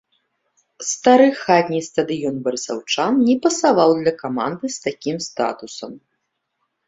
Стары хатні стадыён барысаўчан не пасаваў для каманды з такім статусам.